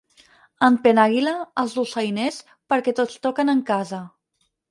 En Penàguila, els dolçainers, perquè tots toquen en casa.